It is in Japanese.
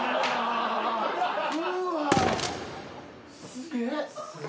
すげえ。